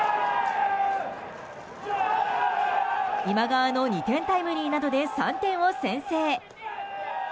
今川の２点タイムリーなどで３点を先制。